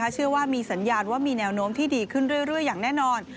เชื่อว่ามีสัญญาณว่ามีแนวโน้มที่ดีขึ้นเรื่อยอย่างแน่นอน